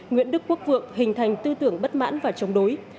nguyễn đức quốc vượng hình thành tư tưởng bất mãn và chống đối